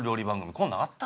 こんなんあった？